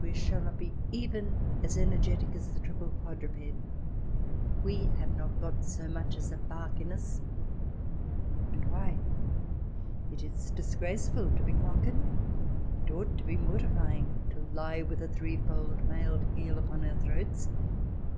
We shall not be even as energetic as the triple quadruped. We have not got so much as a bark in us. And why ? It is disgraceful to be conquered. It ought to be mortifying to lie with a threefold mailed heel upon our throats.